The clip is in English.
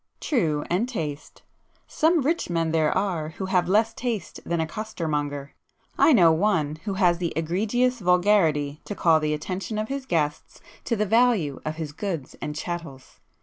"True,—and taste. Some rich men there are who have less taste than a costermonger. I know one who has the egregious vulgarity to call the attention of his guests to the value of his goods and chattels.